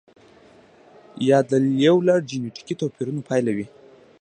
یا د یو لړ جنتیکي توپیرونو پایله وي.